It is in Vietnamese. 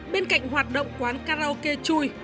bên cạnh hoạt động quán karaoke chui